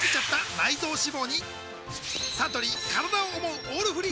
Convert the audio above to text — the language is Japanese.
サントリー「からだを想うオールフリー」